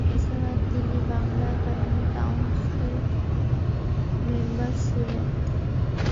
এছাড়া তিনি বাংলা একাডেমীর কাউন্সিল মেম্বার ছিলেন।